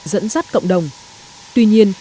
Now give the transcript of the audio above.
dẫn dắt cộng đồng tuy nhiên